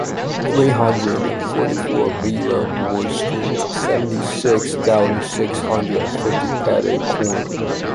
three hundred and forty-four Vila Verde Street, seventy-six thousand six hundred and fifty Petit-Couronne